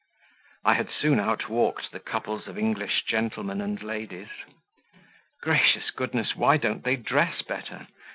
I had soon outwalked the couples of English gentlemen and ladies. (Gracious goodness! why don't they dress better?